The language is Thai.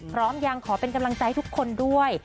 พร้อมยังขอเป็นกำลังใจให้ทุกคนด้วย